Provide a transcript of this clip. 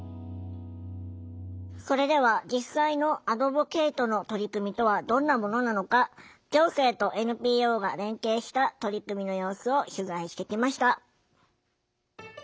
それでは実際のアドボケイトの取り組みとはどんなものなのか行政とＮＰＯが連携した取り組みの様子を取材してきました。